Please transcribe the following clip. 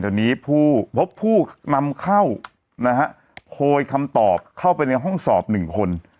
เดี๋ยวนี้ผู้พบผู้นำเข้านะฮะโพยคำตอบเข้าไปในห้องสอบหนึ่งคน